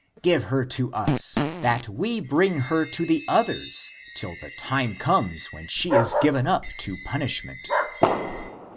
Give her to us, that we bring her to the others till the time comes when she is given up to punishment.